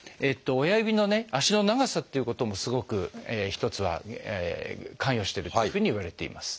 親指のね足の長さっていうこともすごく一つは関与しているっていうふうにいわれています。